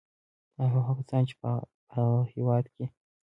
او هغه کسان چې په هغه هېواد کې